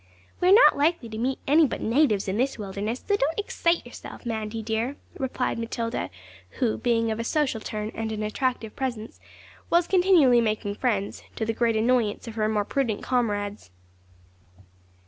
'We are not likely to meet any but natives in this wilderness; so don't excite yourself, Mandy, dear,' replied Matilda, who, being of a social turn and an attractive presence, was continually making friends, to the great annoyance of her more prudent comrades.